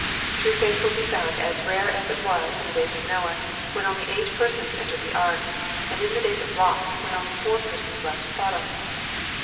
True faith wilibe_found as rare as it was in the days of Noah, when only eight persons entered the ark, and in the days of Lot, when only Jour persons left Sodom.